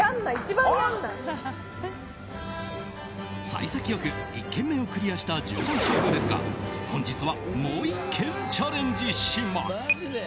幸先よく１軒目をクリアした十番勝負ですが本日はもう１軒チャレンジします。